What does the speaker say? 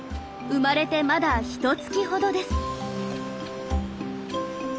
生まれてまだひとつきほどです。